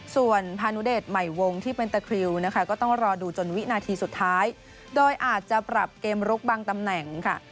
ส่วนพานุเดชใหม่วงที่เป็นตะคริวนะคะก็ต้องรอดูจนวินาทีสุดท้ายโดยอาจจะปรับเกมลุกบางตำแหน่งค่ะ